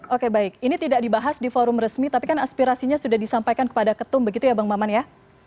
oke baik ini tidak dibahas di forum resmi tapi kan aspirasinya sudah disampaikan kepada ketum begitu ya bang maman ya